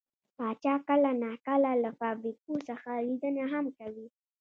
پاچا کله نا کله له فابريکو څخه ليدنه هم کوي .